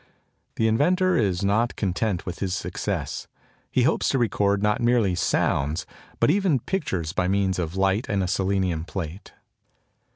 The inventor is not content with his success. He hopes to record not merely sounds but even pictures by means of light and a selenium plate.